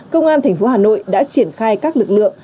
công an thành phố hà nội đã triển khai các lực lượng